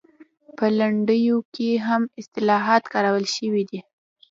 په لنډیو کې هم اصطلاحات کارول شوي دي